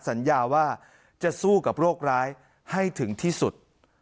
สัญญาว่าจะสู้กับโรคร้ายให้ถึงที่สุด